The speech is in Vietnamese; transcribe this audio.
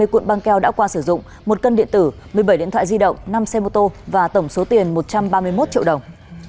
hai mươi cun băng keo đã qua sử dụng một cân điện tử một mươi bảy điện thoại di động năm xe mô tô và tổng số tiền một trăm ba mươi một triệu đồng